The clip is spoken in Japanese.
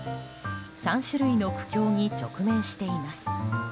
３種類の苦境に直面しています。